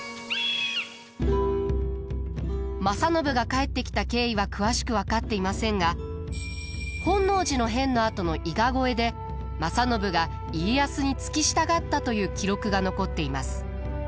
正信が帰ってきた経緯は詳しく分かっていませんが本能寺の変のあとの伊賀越えで正信が家康に付き従ったという記録が残っています。